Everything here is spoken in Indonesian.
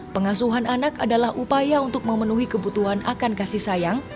pengasuhan anak adalah upaya untuk memenuhi kebutuhan akan kasih sayang